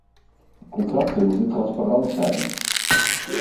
Contracten moeten transparant zijn.